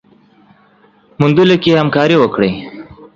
موندلو کي يې همکاري وکړئ